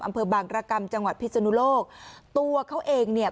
อำเภอบางรกรรมจังหวัดพิศนุโลกตัวเขาเองเนี่ย